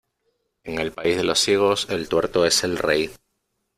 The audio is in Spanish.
En el país de los ciegos el tuerto es el rey.